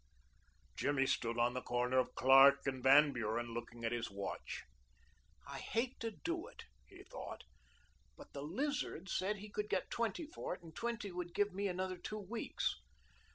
Jimmy stood on the corner of Clark and Van Buren looking at his watch. "I hate to do it," he thought, "but the Lizard said he could get twenty for it, and twenty would give me another two weeks."